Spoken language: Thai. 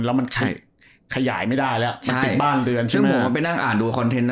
แล้วมันขยายไม่ได้หรือจุดบ้านเรือนนะ